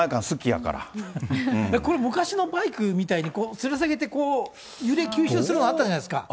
これ、昔のバイクみたいに、つり下げて、揺れ吸収するのあったじゃないですか。